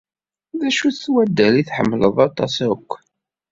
D acu-t waddal ay tḥemmled aṭas akk?